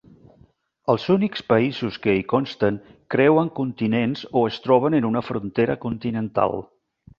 Els únics països que hi consten creuen continents o es troben en una frontera continental.